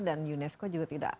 dan unesco juga tidak ada